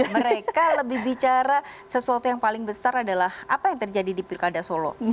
mereka lebih bicara sesuatu yang paling besar adalah apa yang terjadi di pilkada solo